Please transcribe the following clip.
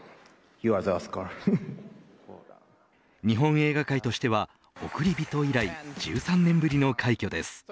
日本映画界としてはおくりびと以来１３年ぶりの快挙です。